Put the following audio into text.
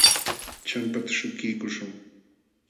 Champata śhukiykuśhun.